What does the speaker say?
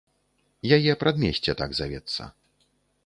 Яе прадмесце так завецца.